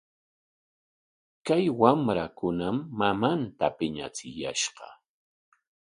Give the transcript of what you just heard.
Kay wamrakunam mamanta piñachiyashqa.